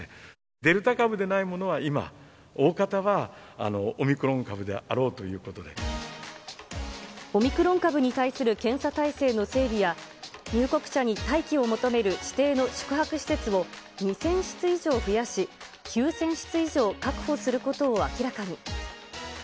デルタ株でないものは今、大方はオミクロン株であろうということオミクロン株に対する検査体制の整備や、入国者に待機を求める指定の宿泊施設を、２０００室以上増やし、９０００室以上確保することを明らかに。